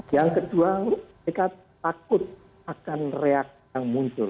yang kedua mereka takut akan reaksi yang muncul